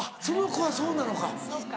その子はそうなのか。